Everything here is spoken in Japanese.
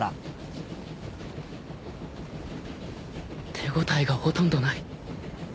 手応えがほとんどない。